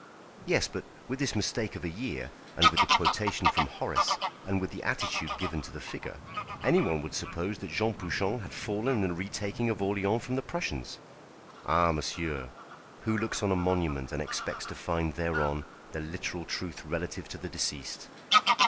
"Yes, but with this mistake of a year, and with the quotation from Horace, and with the attitude given to the figure, anyone would suppose that Jean Bouchon had fallen in the retaking of Orléans from the Prussians." "Ah! monsieur, who looks on a monument and expects to find thereon the literal truth relative to the deceased?"